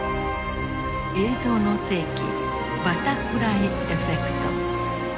「映像の世紀バタフライエフェクト」。